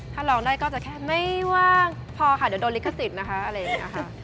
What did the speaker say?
ถ้าร้องได้ก็จะแค่ไม่ว่างพอค่ะเดี๋ยวโดนลิขสิทธิ์นะคะอะไรอย่างนี้ค่ะ